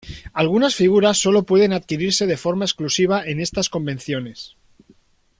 Algunas figuras solo pueden adquirirse de forma exclusiva en estas convenciones.